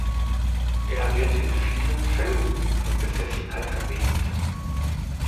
Er wird in vielen Fällen von Besessenheit erwähnt.